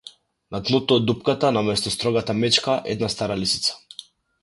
На дното од дупката, наместо строгата мечка - една стара лисица.